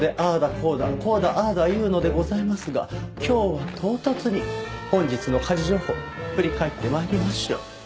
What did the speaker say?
こうだこうだああだ言うのでございますが今日は唐突に本日の家事情報振り返って参りましょう。